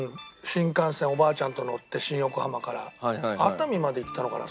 新幹線おばあちゃんと乗って新横浜から熱海まで行ったのかな？